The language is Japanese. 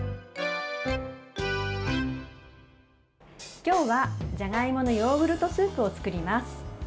今日はじゃがいものヨーグルトスープを作ります。